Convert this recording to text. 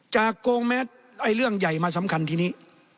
โกงแมสไอ้เรื่องใหญ่มาสำคัญทีนี้